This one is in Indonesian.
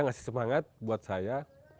ngasih semangat buat saya